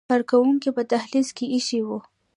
کارکوونکو په دهلیز کې ایښي وو.